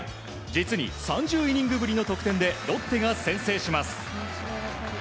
実に３０イニングぶりの得点でロッテが先制します。